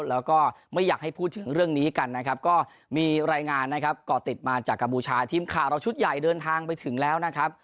แล้วก็ไม่อยากให้พูดถึงเรื่องนี้กันนะครับก็มีรายงานนะครับก่อติดมาจากกัมพูชาทีมข่าวเราชุดใหญ่เดินทางไปถึงแล้วนะครับ